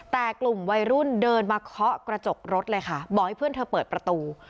แต่กลุ่มวัยรุ่นเดินมาเคาะกระจกรถเลยค่ะบอกให้เพื่อนเธอเปิดประตู